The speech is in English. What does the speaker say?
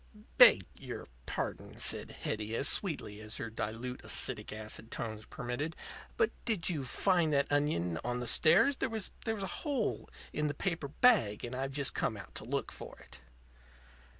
"Beg your pardon," said Hetty, as sweetly as her dilute acetic acid tones permitted, "but did you find that onion on the stairs? There was a hole in the paper bag; and I've just come out to look for it."